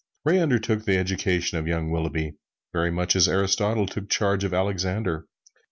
Ray undertook the education of young Willughby, very much as Aristotle took charge of Alexander.